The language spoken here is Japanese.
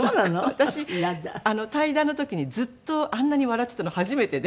私対談の時にずっとあんなに笑っていたの初めてで。